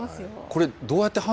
これ？